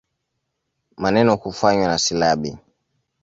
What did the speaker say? Maneno kufanywa na silabi.